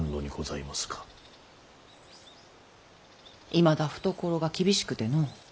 いまだ懐が厳しくての。